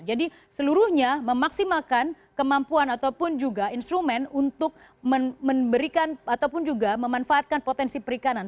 jadi seluruhnya memaksimalkan kemampuan ataupun juga instrumen untuk memberikan ataupun juga memanfaatkan potensi perikanan